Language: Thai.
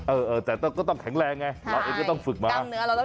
เออแต่ก็ต้องแข็งแรงไงเราเองก็ต้องฝึกมา